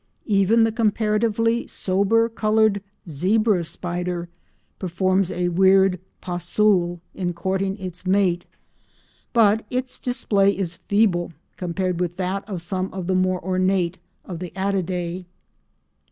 Even the comparatively sober coloured "zebra spider" performs a weird pas seul in courting its mate, but its display is feeble compared with that of some of the more ornate of the Attidae.